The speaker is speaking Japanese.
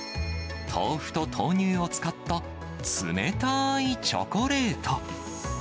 豆腐と豆乳を使った、冷たいチョコレート。